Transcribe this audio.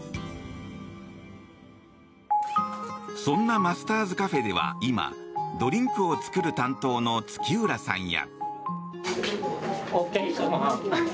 そんなマスターズＣａｆｅでは今ドリンクを作る担当の月浦さんや。